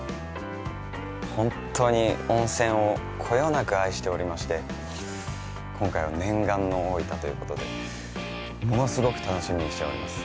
本当に温泉をこよなく愛しておりまして、今回は念願の大分ということで物すごく楽しみにしております。